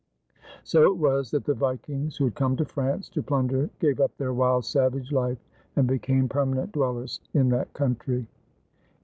So it was that the Vikings who had come to France to plunder gave up their wild, savage life and became per manent dwellers in that country.